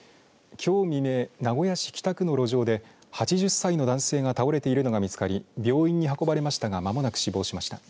きょう未明名古屋市北区の路上で８０歳の男性が倒れているのが見つかり病院に運ばれましたが間もなく死亡しました。